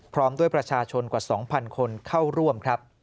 พร้อมด้วยประชาชนกว่า๒๐๐คนเข้าร่วมครับ